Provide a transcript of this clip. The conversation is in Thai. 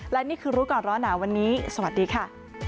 และนี่คือรู้ก่อนร้อนหนาวันนี้สวัสดีค่ะ